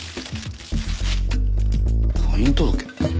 婚姻届？